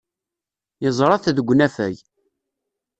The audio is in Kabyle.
Yeẓra-t deg unafag.